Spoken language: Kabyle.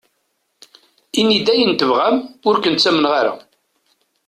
Inim-d ayen tebɣam, ur ken-ttamneɣ ara.